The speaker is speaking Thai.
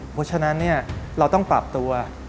เพราะฉะนั้นเราต้องปรับตัว